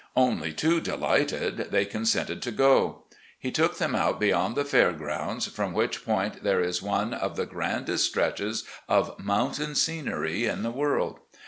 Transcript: Only too delighted, they consented to go. He took them out beyond the fair grounds, from which point there is one of the grandest stretches of mountain scenery in the world.